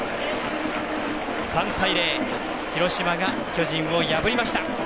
３対０、広島が巨人を破りました。